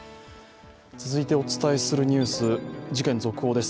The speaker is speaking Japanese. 続いてお伝えするニュース、事件続報です。